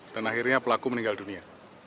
dan akhirnya pelaku meninggal dunia